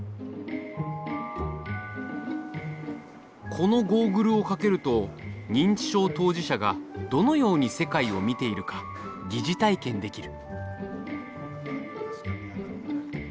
このゴーグルをかけると認知症当事者がどのように世界を見ているか疑似体験できる。